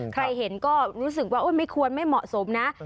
ใครเห็นก็รู้สึกว่าไม่ควรไม่เหมาะสมนะ